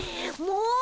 もう！